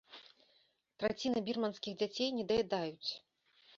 Траціна бірманскіх дзяцей недаядаюць.